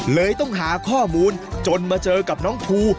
เลยต้องหาข้อมูลจนมาเจอกับน้องภู